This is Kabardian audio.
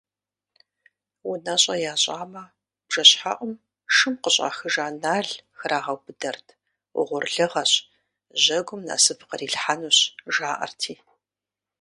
УнэщӀэ ящӀамэ, бжэщхьэӀум шым къыщӀахыжа нал храгъэубыдэрт, угъурлыгъэщ, жьэгум насып кърилъхьэнущ жаӀэрти.